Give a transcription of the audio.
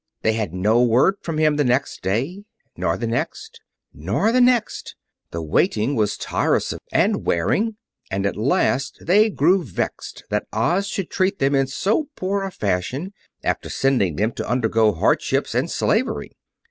They had no word from him the next day, nor the next, nor the next. The waiting was tiresome and wearing, and at last they grew vexed that Oz should treat them in so poor a fashion, after sending them to undergo hardships and slavery.